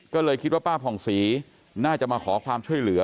ก็เลยคิดว่าป้าผ่องศรีน่าจะมาขอความช่วยเหลือ